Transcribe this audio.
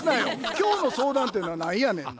今日の相談ってのは何やねんな？